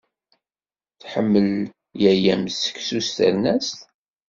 Tḥemmel yaya-m seksu s ternast?